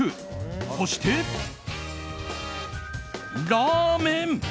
そして、ラーメン。